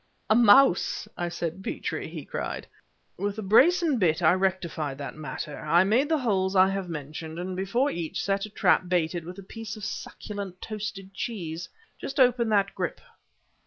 "A mouse, I said, Petrie!" he cried. "With the brace and bit I rectified that matter. I made the holes I have mentioned, and before each set a trap baited with a piece of succulent, toasted cheese. Just open that grip!"